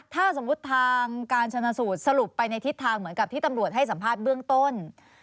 ถ้าสมมุติทางการชนสูตรสรุปไปในทิศทางเหมือนกับที่ตำรวจให้สัมภาษณ์เบื้องต้น